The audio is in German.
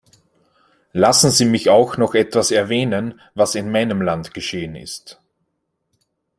Lassen Sie mich auch noch etwas erwähnen, was in meinem Land geschehen ist.